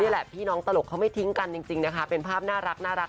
นี่แหละพี่น้องตลกเขาไม่ทิ้งกันจริงนะคะเป็นภาพน่ารัก